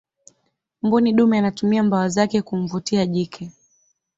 mbuni dume anatumia mbawa zake kumvutia jike